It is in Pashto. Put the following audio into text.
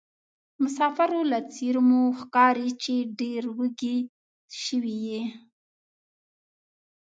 مسافرو له څېرومو ښکاري چې ډېروږي سوي یې.